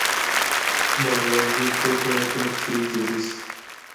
بله ورځ دوی پریکړه وکړه چې جدي شي